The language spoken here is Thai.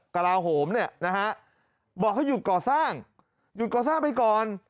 กลาโหมนะครับบอกให้หยุดก่อสร้างหยุดก่อสร้างไปก่อน